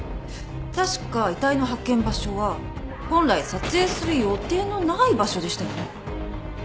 確か遺体の発見場所は本来撮影する予定のない場所でしたよね。